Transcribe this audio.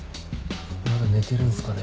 まだ寝てるんすかね。